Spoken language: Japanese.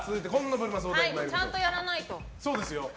ちゃんとやらないと。